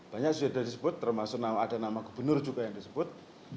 banyak sudah disebut termasuk ada nama gubernur juga yang disebut